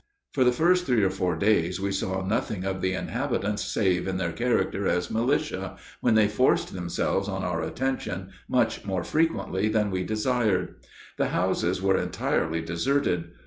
For the first three or four days we saw nothing of the inhabitants save in their character as militia, when they forced themselves on our attention much more frequently than we desired. The houses were entirely deserted.